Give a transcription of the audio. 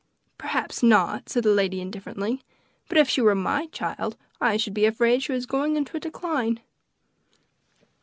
"Perhaps not," said the lady indifferently; "but if she were my child I should be afraid she was going into a decline."